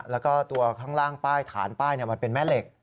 แล้วก็ตัวข้างล่างป้ายฐานป้ายมันเป็นแม่เหล็ก